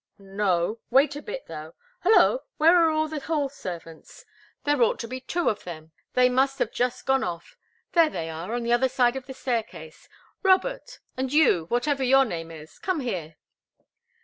"No wait a bit, though halloa! Where are the hall servants? There ought to be two of them. They must have just gone off. There they are, on the other side of the staircase. Robert! And you whatever your name is come here!"